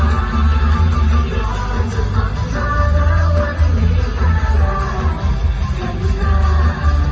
ยอดจะฟังมาแล้วว่าไม่มีแค่แล้วเห็นแล้ว